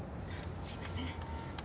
すいません。